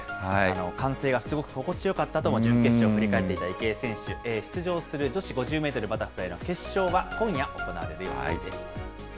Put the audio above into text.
歓声がすごく心地よかったとも準決勝を振り返っていた池江選手、出場する女子５０メートルバタフライの決勝は今夜行われる予定です。